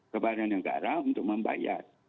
kepada negara untuk membayar